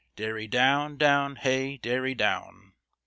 Derry down, down, hey derry down.